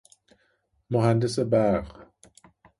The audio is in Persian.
مهندس برق